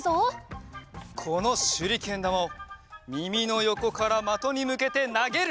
このしゅりけんだまをみみのよこからまとにむけてなげる！